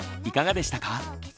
いかがでしたか？